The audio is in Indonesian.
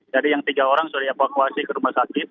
jadi yang tiga orang sudah dievakuasi ke rumah sakit